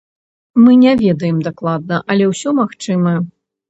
Мы не ведаем дакладна, але ўсё магчыма.